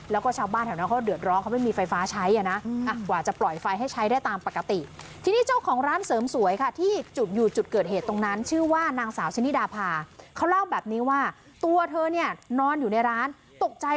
แล้วก็บ้านที่แถวนี้ก็เดือดร้อทำไมไม่มีไฟฟ้าใช้